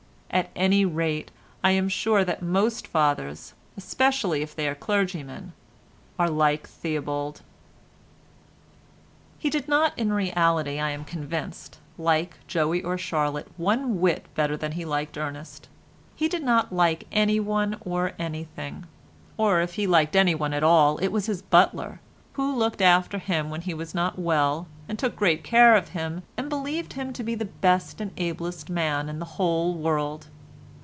At any rate I am sure that most fathers, especially if they are clergymen, are like Theobald. He did not in reality, I am convinced, like Joey or Charlotte one whit better than he liked Ernest. He did not like anyone or anything, or if he liked anyone at all it was his butler, who looked after him when he was not well, and took great care of him and believed him to be the best and ablest man in the whole world.